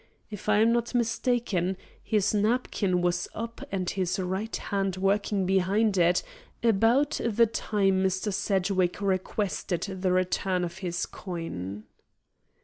If I am not mistaken, his napkin was up and his right hand working behind it, about the time Mr. Sedgwick requested the return of his coin."